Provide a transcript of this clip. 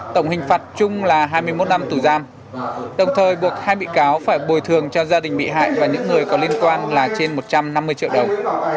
tổng hình phạt chung là hai mươi một năm tù giam đồng thời buộc hai bị cáo phải bồi thường cho gia đình bị hại và những người có liên quan là trên một trăm năm mươi triệu đồng